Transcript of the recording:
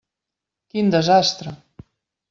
Quin desastre!